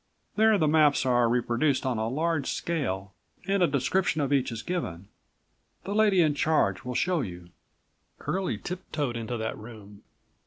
There the maps are reproduced on a large scale and a description of each is given. The lady in charge will show you." Curlie tiptoed into that room.